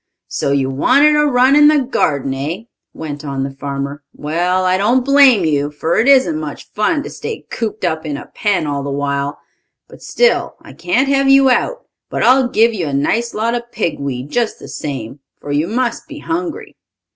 "So you wanted a run in the garden, eh?" went on the farmer. "Well, I don't blame you, for it isn't much fun to stay cooped up in a pen all the while. But still I can't have you out. But I'll give you a nice lot of pig weed, just the same, for you must be hungry."